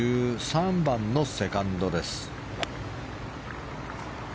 １３番のセカンドです。